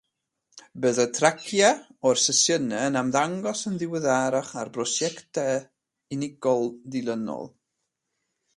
Byddai traciau o'r sesiynau'n ymddangos yn ddiweddarach ar brosiectau unigol dilynol.